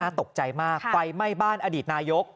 ตกใจมากไฟไหม้บ้านอดีตนายก